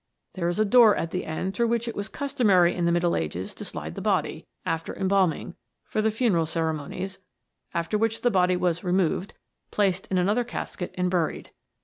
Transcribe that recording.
There is a door at the end through which it was customary in the Middle Ages to slide the body, after embalming, for the funeral ceremonies, after which the body was removed, placed in another casket and buried.